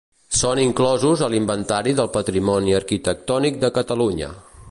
Són inclosos a l'Inventari del Patrimoni Arquitectònic de Catalunya.